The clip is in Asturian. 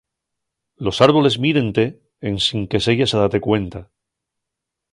Los árboles mírente ensin que seyas a date cuenta.